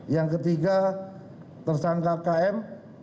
yang ketiga tersangka km